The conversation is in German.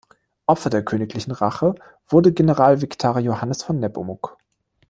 Opfer der königlichen Rache wurde Generalvikar Johannes von Nepomuk.